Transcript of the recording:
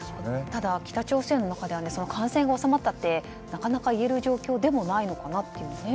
ただ北朝鮮の中では感染が収まったってなかなか言える状況でもないのかなというね。